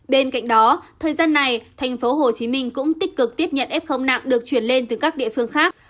bên cạnh đó thời gian này tp hcm cũng tích cực tiếp nhận f nặng được chuyển lên từ các địa phương khác